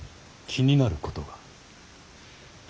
気になること。